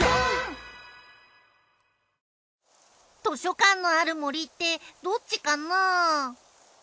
図書館のある森ってどっちかな？